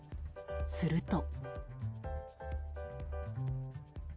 すると。